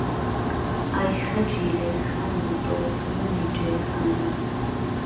ئای خهجیلێ خانم دۆست مهنیجێ خانم